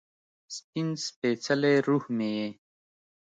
سپین سپيڅلې روح مې یې